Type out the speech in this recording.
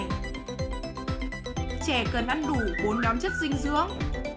trẻ cần ăn đủ bốn nhóm chất dinh dưỡng